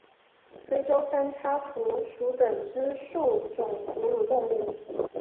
非洲三叉蝠属等之数种哺乳动物。